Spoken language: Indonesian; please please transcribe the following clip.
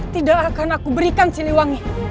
tidak akan aku berikan cili wangi